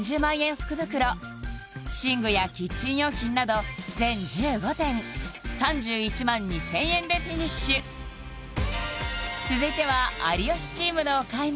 福袋寝具やキッチン用品など全１５点３１万２０００円でフィニッシュ続いては有吉チームのお買い物